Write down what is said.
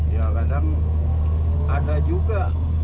ya kadang ada juga